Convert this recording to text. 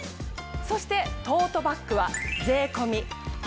そしてトートバッグは。